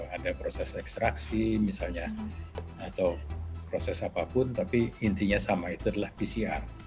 ada proses ekstraksi misalnya atau proses apapun tapi intinya sama itu adalah pcr